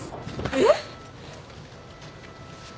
えっ！？